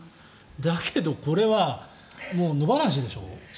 だけどこれはもう野放しでしょ。